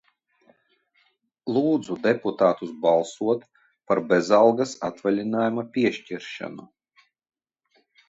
Lūdzu deputātus balsot par bezalgas atvaļinājuma piešķiršanu!